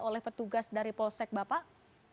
oleh petugas dari polsek bapak